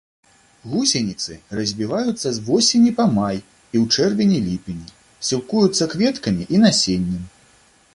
Гусеніцы развіваюцца з восені па май і ў чэрвені-ліпені, сілкуюцца кветкамі і насеннем.